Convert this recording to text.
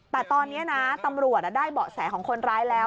แต่ตอนนี้นะตำรวจได้เบาะแสของคนร้ายแล้ว